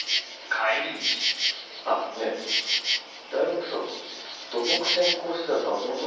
あっねえ大学さ土木専攻してたってあれホント？